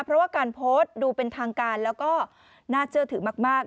เพราะว่าการโพสต์ดูเป็นทางการแล้วก็น่าเชื่อถือมาก